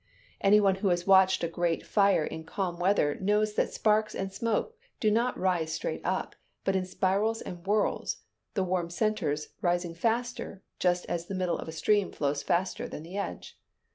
Any one who has watched a great fire in calm weather knows that sparks and smoke do not rise straight up, but in spirals and whirls, the warmer centers rising faster, just as the middle of a stream flows faster than the edge.